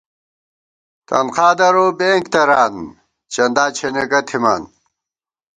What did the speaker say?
تَنخا درَوُو بېنک تران ، چندا چھېنېکہ تھِمان